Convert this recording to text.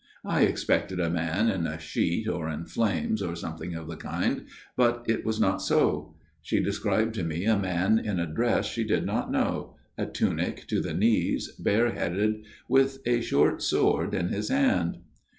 I expected a man in a sheet or in flames or something of the kind, but it was not so. She described to me a man in a dress she did not know a tunic to the knees, bareheaded, with a short sword in his hand.